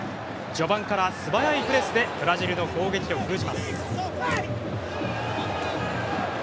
序盤から素早いプレスでブラジルの攻撃を封じます。